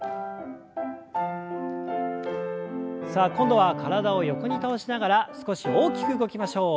さあ今度は体を横に倒しながら少し大きく動きましょう。